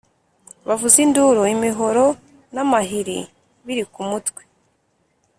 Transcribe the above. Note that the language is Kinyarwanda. bavuza induru imihoro n’amahiri biri ku mutwe